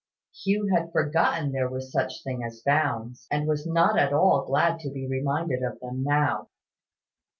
Hugh had forgotten there were such things as bounds, and was not at all glad to be reminded of them now.